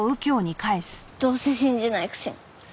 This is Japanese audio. どうせ信じないくせに。